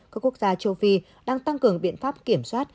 các quốc gia châu phi đang tăng cường biện pháp kiểm soát